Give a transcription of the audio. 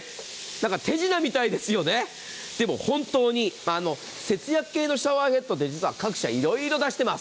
手品みたいですよね、でも本当に節約系のシャワーヘッドって実は各社、いろいろ出してます。